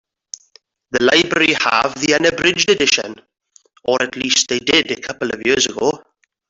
The library have the unabridged edition, or at least they did a couple of years ago.